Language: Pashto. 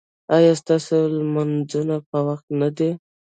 ایا ستاسو لمونځونه په وخت نه دي؟